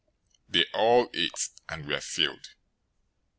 014:020 They all ate, and were filled.